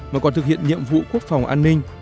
mà còn thực hiện nhiệm vụ quốc phòng an ninh